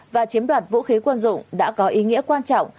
và chiếm đoạt vũ khí quân dụng đã có ý nghĩa quan trọng